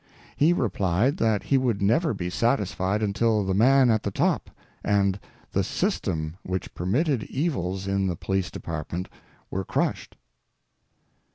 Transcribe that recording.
He replied that he would never be satisfied until the "man at the top" and the "system" which permitted evils in the Police Department were crushed.